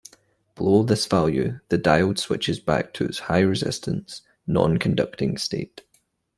Below this value, the diode switches back to its high-resistance, non-conducting state.